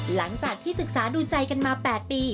หลังจากที่ศึกษาดูใจกันมา๘ปี